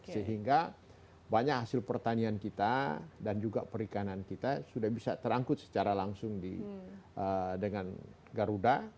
sehingga banyak hasil pertanian kita dan juga perikanan kita sudah bisa terangkut secara langsung dengan garuda